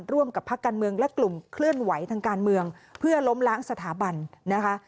ร่วมกับพักการเมืองและกลุ่มเคลื่อนไหวทางการเมืองเพื่อล้มล้างสถาบันนะคะ